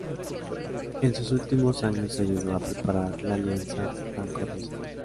En sus últimos años ayudó a preparar la alianza franco-rusa.